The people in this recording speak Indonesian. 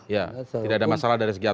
ya tidak ada masalah dari segi